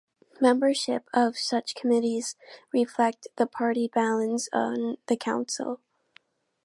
Membership of such committees reflects the party balance on the council.